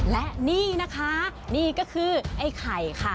และนี่นะคะนี่ก็คือไอ้ไข่ค่ะ